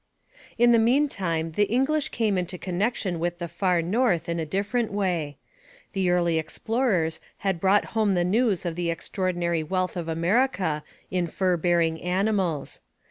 In the meantime the English came into connection with the Far North in a different way. The early explorers had brought home the news of the extraordinary wealth of America in fur bearing animals.